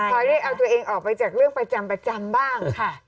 คอยได้เอาตัวเองออกไปจากประจำประจำบ้าง